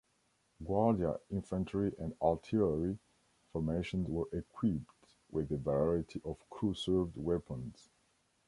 Guardia infantry and artillery formations were equipped with a variety of crew-served weapons.